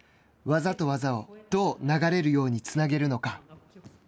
技と技をどう流れるようにつなげるのか。